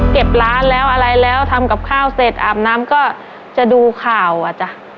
เก็บร้านแล้วอะไรแล้วทำกับข้าวเสร็จอาบน้ำก็จะดูข่าวอ่ะจ้ะ